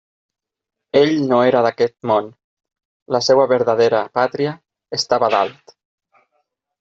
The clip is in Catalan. Ell no era d'aquest món; la seua verdadera pàtria estava dalt.